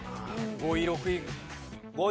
５位６位。